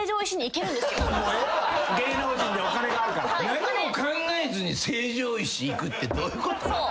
何も考えずに成城石井行くってどういうこと？